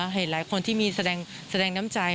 เห็นหลายคนที่มีแสดงน้ำใจ